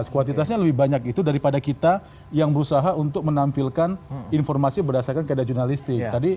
kualitasnya lebih banyak itu daripada kita yang berusaha untuk menampilkan informasi berdasarkan kadar jurnalistik tadi